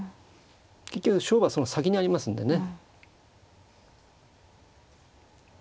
結局勝負はその先にありますんでね。